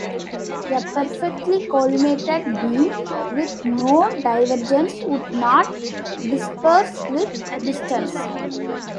A perfectly collimated beam, with no divergence, would not disperse with distance.